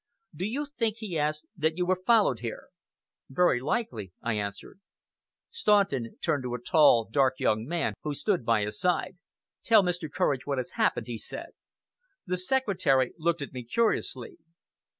"Do you think," he asked, "that you were followed here?" "Very likely," I answered Staunton turned to a tall, dark young man who stood by his side. "Tell Mr. Courage what has happened," he said. The secretary looked at me curiously.